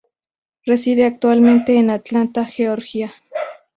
Reside actualmente en Atlanta, Georgia.